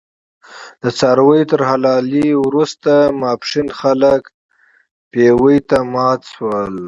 د څارویو تر حلالې وروسته ماسپښین خلک پېوې ته مات شول.